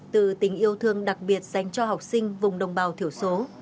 từ tình yêu thương đặc biệt dành cho học sinh vùng đồng bào thiểu số